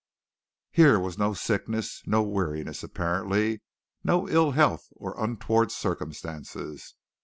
Here was no sickness, no weariness apparently, no ill health or untoward circumstances.